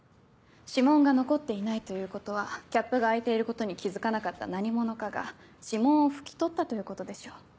指紋が残っていないということはキャップが開いていることに気付かなかった何者かが指紋を拭き取ったということでしょう。